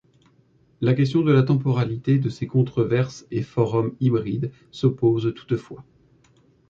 La question de la temporalité de ces controverses et forums hybrides se pose toutefois.